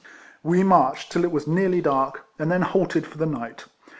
We marched till it was nearly dark, and then halted for the night.